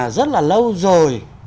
rất là lâu rồi